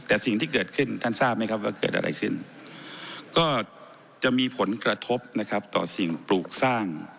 แต่สิ่งที่เกิดขึ้นท่านทราบไหมครับว่าเกิดอะไรขึ้นก็จะมีผลกระทบนะครับต่อสิ่งปลูกสร้าง